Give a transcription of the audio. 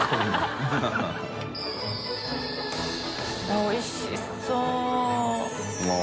おいしそう。